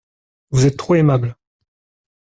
Vous êtes trop aimables.